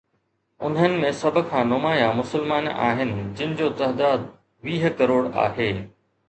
انهن ۾ سڀ کان نمايان مسلمان آهن، جن جو تعداد ويهه ڪروڙ آهي.